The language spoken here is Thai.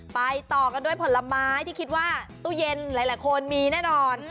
ต่อกันด้วยผลไม้ที่คิดว่าตู้เย็นหลายคนมีแน่นอน